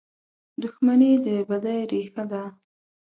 • دښمني د بدۍ ریښه ده.